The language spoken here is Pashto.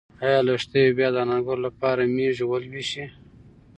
ایا لښتې به بیا د انارګل لپاره مېږې ولوشي؟